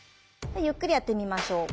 ゆっくりやってみましょう。